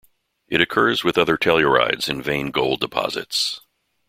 It occurs with other tellurides in vein gold deposits.